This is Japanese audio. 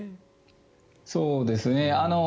そうですね。